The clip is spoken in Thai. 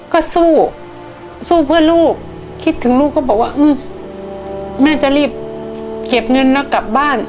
ก็สู้สู้เพื่อลูกคิดถึงลูกก็บอกว่าอืมแม่จะรีบเก็บเงินแล้วกลับบ้าน